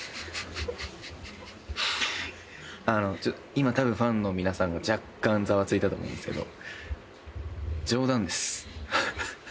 今たぶんファンの皆さんが若干ざわついたと思うんですけど。